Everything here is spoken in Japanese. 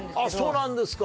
そうなんですか。